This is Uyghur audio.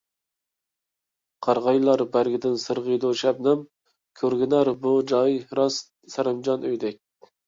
قارىغايلار بەرگىدىن سىرغىيدۇ شەبنەم، كۆرۈنەر بۇ جاي راست سەرەمجان ئۆيدەك.